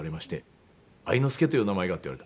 愛之助という名前がって言われて。